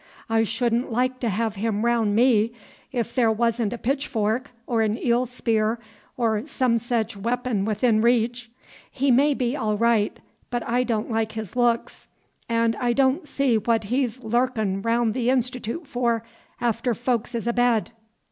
I should n't like to have him raoun' me, 'f there wa'n't a pitchfork or an eel spear or some sech weep'n within reach. He may be all right; but I don't like his looks, 'n' I don't see what he's lurkin' raoun' the Institoot for, after folks is abed."